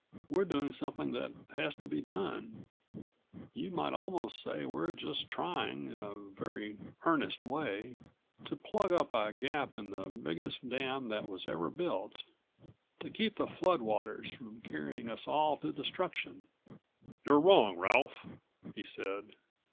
We're doing something that has to be done you might almost say we're just trying, in a very earnest way, to plug up a gap in the biggest dam that was ever built, to keep the flood waters from carrying us all to destruction." "You're wrong, Ralph," he said.